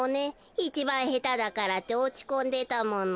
いちばんへただからっておちこんでたもの。